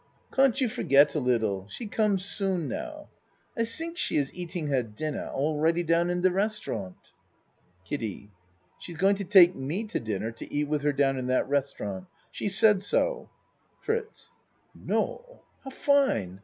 Can't you forget a liddle? She come soon, now. I tink she iss eating her din ner all ready down in de restaurant. KIDDIE She's going to take me to dinner to eat with her down in that restaurant, she said so. FRITZ No ! How fine